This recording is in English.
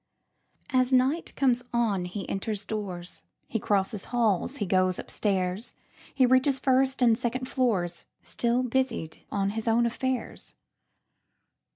As night comes on he enters doors, He crosses halls, he goes upstairs, He reaches first and second floors, Still busied on his own affairs.